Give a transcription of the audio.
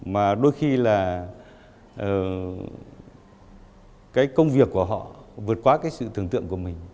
mà đôi khi là công việc của họ vượt qua sự thưởng tượng của mình